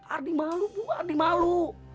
ardi malu bu adi malu